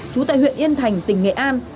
chú tại huyện yên thành tỉnh nghệ an